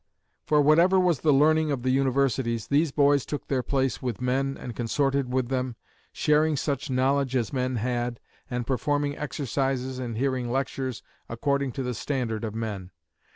For whatever was the learning of the universities, these boys took their place with men and consorted with them, sharing such knowledge as men had, and performing exercises and hearing lectures according to the standard of men.